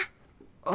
あの。